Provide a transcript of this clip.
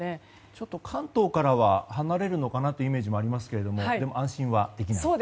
ちょっと関東からは離れるのかなというイメージがありますがでも安心はできない？